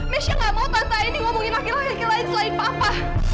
nesya gak mau tante ini ngomongin laki laki lain selain papa